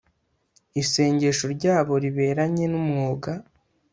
isengesho ryabo riberanye n’umwuga